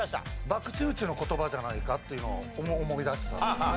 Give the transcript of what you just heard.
ばくち打ちの言葉じゃないかっていうのを思い出した。